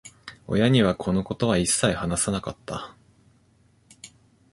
親には、このことは一切話さなかった。